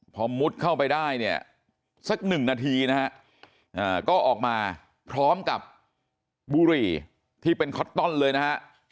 พอมุดเข้าไปได้เนี่ยสักหนึ่งนาทีนะฮะก็ออกมาพร้อมกับบุหรี่ที่เป็นคอตตอนเลยนะฮะ